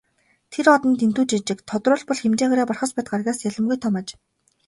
Тэр од нь дэндүү жижиг, тодруулбал хэмжээгээрээ Бархасбадь гаригаас ялимгүй том аж.